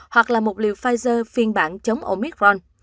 hoặc là một liều pfizer phiên bản chống omicron